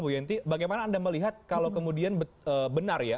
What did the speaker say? bu yenti bagaimana anda melihat kalau kemudian benar ya